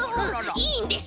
いいんです！